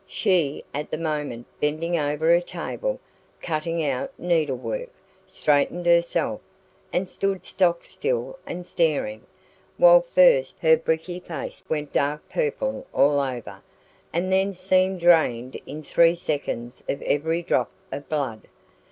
She, at the moment bending over a table, cutting out needle work, straightened herself, and stood stockstill and staring, while first her bricky face went dark purple all over, and then seemed drained in three seconds of every drop of blood.